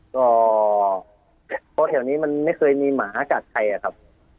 ก็เพราะแถวนี้มันไม่เคยมีหมากัดใครอะครับ